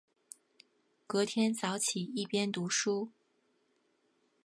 隔天早起一边读书